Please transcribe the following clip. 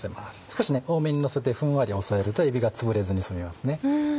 少し多めにのせてふんわり押さえるとえびがつぶれずに済みますね。